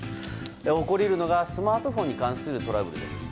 起こり得るのがスマートフォンに関するトラブルです。